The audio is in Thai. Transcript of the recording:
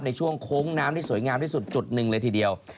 ในช่วงโค้งน้ำที่สวยงามที่สุดจุดหนึ่งเลยทีเดียว